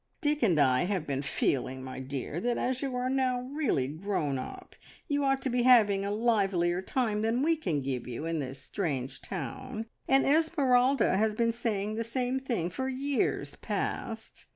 "Dick and I have been feeling, my dear, that as you are now really grown up, you ought to be having a livelier time than we can give you in this strange town, and Esmeralda has been saying the same thing for years past.